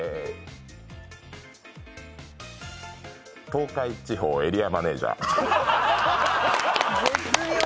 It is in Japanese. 東海地方エリアマネージャー。